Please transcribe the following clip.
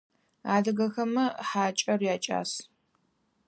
Адыгэмэ хьакIэр якIас.